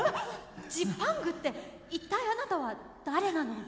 ジパングって一体あなたは誰なの？